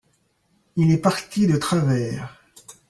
il est parti de travers.